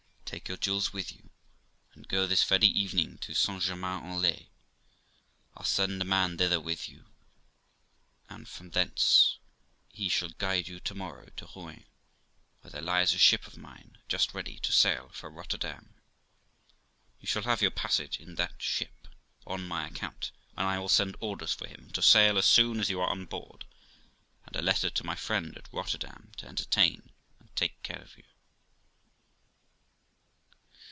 Take your jewels with you, and go this very evening to St Germain en Laye; I'll send a man thither with you, and from thence he shall guide you to morrow to Rouen, where there lies a ship of mine, just ready to sail for Rotterdam ; you shall have your passage in that ship on my account, and I will send orders for him to sail as soon as you are on board, and a letter to my friend at Rotterdam to entertain and take care of you.'